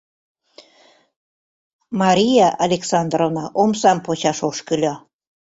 Мария Александровна омсам почаш ошкыльо.